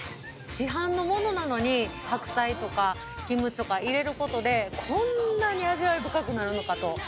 市販のものなのに白菜とかキムチとか入れることでこんなに味わい深くなるのかと。